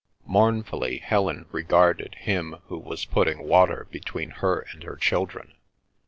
Mournfully Helen regarded him, who was putting water between her and her children.